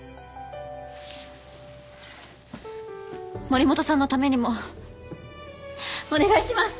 森本さんのためにもお願いします！